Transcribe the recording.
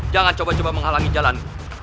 jangan coba coba menghalangi jalan